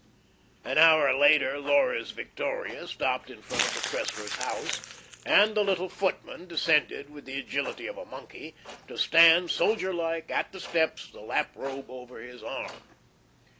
An hour later Laura's victoria stopped in front of the Cressler's house, and the little footman descended with the agility of a monkey, to stand, soldier like, at the steps, the lap robe over his arm.